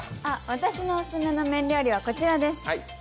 私のオススメの麺料理はこちらです。